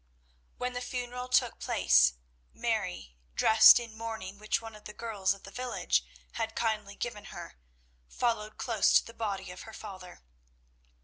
When the funeral took place, Mary, dressed in mourning which one of the girls of the village had kindly given her, followed close to the body of her father.